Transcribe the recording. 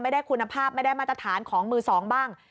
ไม่ได้คุณภาพไม่ได้มาตรฐานของมือสองบ้าง